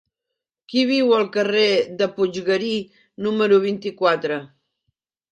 Qui viu al carrer de Puiggarí número vint-i-quatre?